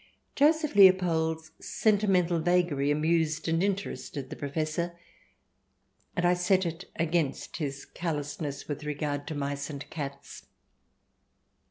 Joseph Leopold's sentimental vagary amused and in terested the Professor, and I set it against his callousness with regard to mice and cats.